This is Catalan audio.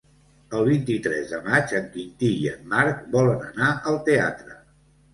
El vint-i-tres de maig en Quintí i en Marc volen anar al teatre.